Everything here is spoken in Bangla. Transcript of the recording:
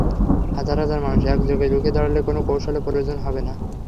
হাজার হাজার মানুষ একযোগে রুখে দাঁড়ালে কোনো কৌশলের প্রয়োজন হবে না।